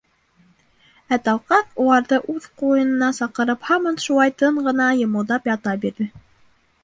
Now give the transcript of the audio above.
Ә Талҡаҫ, уларҙы үҙ ҡуйынына саҡырып, һаман шулай тын ғына йымылдап ята бирҙе.